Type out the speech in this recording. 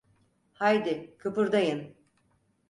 Haydi, kıpırdayın!